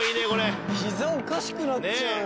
膝おかしくなっちゃうよ。